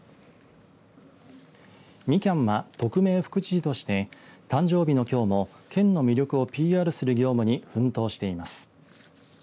みきゃんは、特命副知事として誕生日のきょうも県の魅力ＰＲする業務に奮闘しています。